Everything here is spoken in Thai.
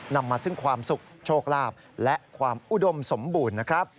นำมาซึ่งความสุขโชคลาภและความอุดมสมบูรณ์นะครับ